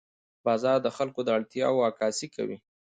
بازار د خلکو د اړتیاوو عکاسي کوي.